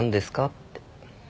って。